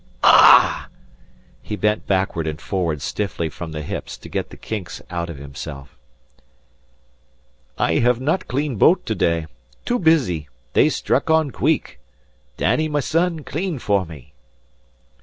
Auh!" He bent backward and forward stiffly from the hips to get the kinks out of himself. "I have not cleaned boat to day. Too busy. They struck on queek. Danny, my son, clean for me."